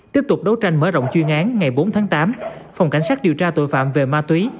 tiếp tục đấu tranh mở rộng chuyên án ngày bốn tháng tám phòng cảnh sát điều tra tội phạm về ma túy